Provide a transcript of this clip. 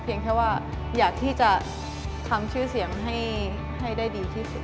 แค่ว่าอยากที่จะทำชื่อเสียงให้ได้ดีที่สุด